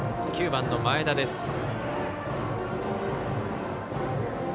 ９番の前田です。